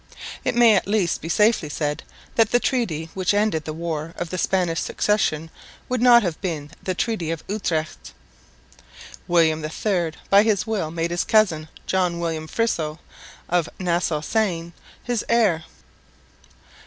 It may at least be safely said, that the treaty which ended the war of the Spanish succession would not have been the treaty of Utrecht. William III by his will made his cousin, John William Friso of Nassau Siegen, his heir.